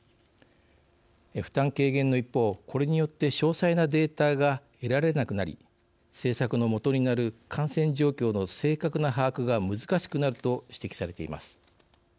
負担軽減の一方、これによって詳細なデータが得られなくなり政策の基になる感染状況の正確な把握が難しくなると指摘されています。